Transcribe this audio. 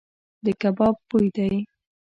د کباب بوی دی .